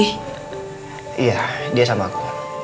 iya dia sama aku